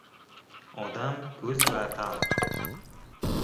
• Odam — ko‘z va qalb.